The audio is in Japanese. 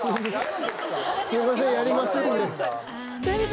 すいませんやりますんで。